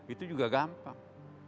itu juga gampang